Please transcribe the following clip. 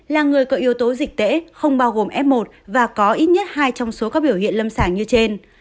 là người có yếu tố dịch tễ không bao gồm f một và có ít nhất hai trong số các biểu hiện lâm sàng như trên